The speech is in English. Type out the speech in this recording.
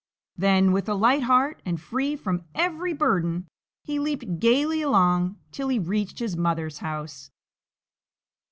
Then with a light heart, and free from every burden, he leaped gaily along till he reached his mother's house.